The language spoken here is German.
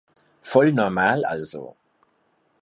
Voll normal also.